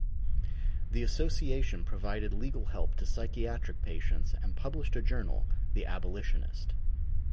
The association provided legal help to psychiatric patients and published a journal, "The Abolitionist".